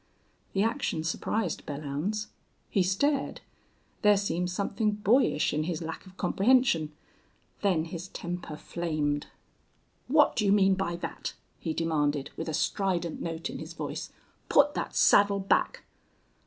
The action surprised Belllounds. He stared. There seemed something boyish in his lack of comprehension. Then his temper flamed. "What do you mean by that?" he demanded, with a strident note in his voice. "Put that saddle back."